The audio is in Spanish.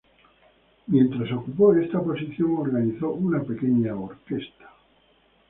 Mientras ocupó esta posición, organizó una pequeña orquesta.